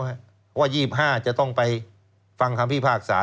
เพราะว่า๒๕จะต้องไปฟังคำพิพากษา